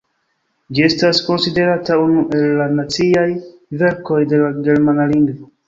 Ĝi estas konsiderata unu el la naciaj verkoj de la germana lingvo.